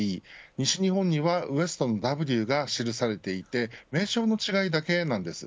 西日本にはウエストのＷが記されていて名称の違いだけなんです。